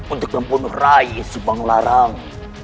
untuk membunuh rai subang larang